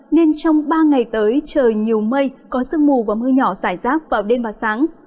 nên trong ba ngày tới trời nhiều mây có sương mù và mưa nhỏ rải rác vào đêm và sáng